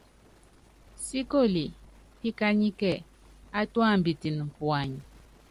Síkoli píkányíkɛ átúámbitɛn puany.